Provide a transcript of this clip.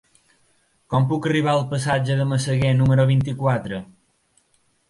Com puc arribar al passatge de Massaguer número vint-i-quatre?